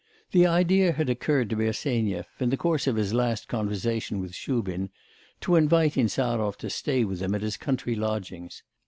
The idea had occurred to Bersenyev, in the course of his last conversation with Shubin, to invite Insarov to stay with him at his country lodgings.